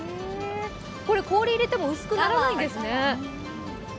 これ、氷入れても薄くならないんですね。